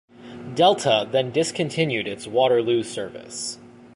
Delta then discontinued its Waterloo service.